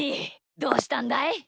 どうしたんだい？